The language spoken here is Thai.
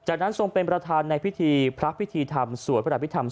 จากนั้นทรงเป็นประธานในพระพิธีธรรมสวนพระผู้คิดทำ